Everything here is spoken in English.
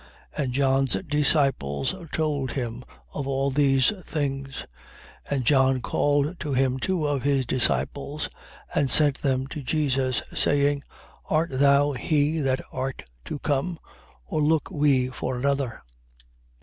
7:18. And John's disciples told him of all these things. 7:19. And John called to him two of his disciples and sent them to Jesus, saying: Art thou he that art to come? Or look we for another?